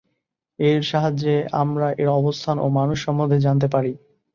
এর সাহায্যে আমরা এর অবস্থান ও মানুষ সম্বন্ধে জানতে পারি।